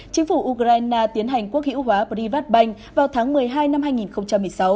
chính phủ ukraine tiến hành quốc hữu hóa privatbank vào tháng một mươi hai năm hai nghìn một mươi sáu